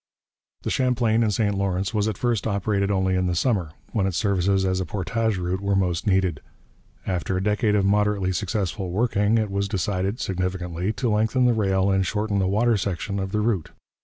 The Champlain and St Lawrence was at first operated only in the summer, when its services as a portage route were most needed. After a decade of moderately successful working, it was decided, significantly, to lengthen the rail and shorten the water section of the route.